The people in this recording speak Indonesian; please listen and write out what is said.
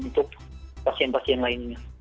untuk pasien pasien lainnya